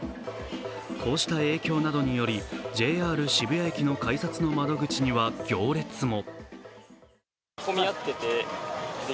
こうした影響などにより、ＪＲ渋谷駅の改札の窓口には行列も。